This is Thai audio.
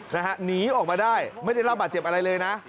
หนีออกมาได้ไม่ได้รับบาดเจ็บอะไรเลยนะ